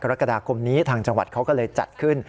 กรกฎาคมนี้ทางจังหวัดเขาก็เลยจัดขึ้น